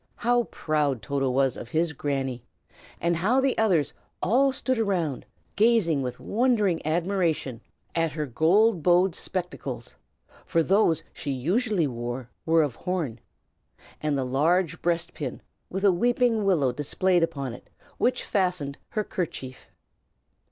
How proud Toto was of his Granny! and how the others all stood around her, gazing with wondering admiration at her gold bowed spectacles (for those she usually wore were of horn) and the large breastpin, with a weeping willow displayed upon it, which fastened her kerchief.